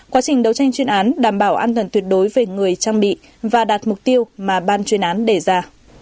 quá trình đấu tranh chuyên án đảm bảo an toàn tuyệt đối về người trang bị và đạt mục tiêu mà ban chuyên án đề ra